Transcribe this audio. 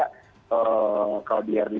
kalau enggak ya dia gak ada juga